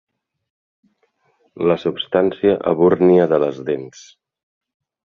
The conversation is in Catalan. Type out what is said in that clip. La substància ebúrnia de les dents.